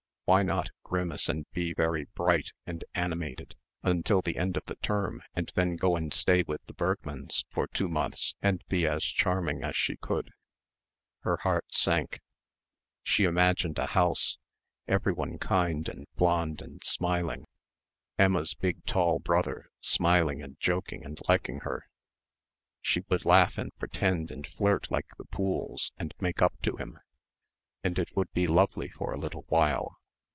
Why not grimace and be very "bright" and "animated" until the end of the term and then go and stay with the Bergmanns for two months and be as charming as she could?... Her heart sank.... She imagined a house, everyone kind and blond and smiling. Emma's big tall brother smiling and joking and liking her. She would laugh and pretend and flirt like the Pooles and make up to him and it would be lovely for a little while.